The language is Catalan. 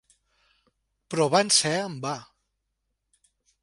Però van ser en va.